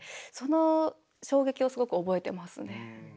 その衝撃をすごく覚えてますね。